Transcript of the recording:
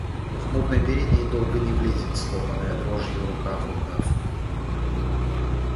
В мутной передней долго не влезет сломанная дрожью рука в рукав.